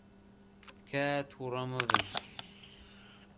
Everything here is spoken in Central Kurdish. تکایە تووڕە مەبن.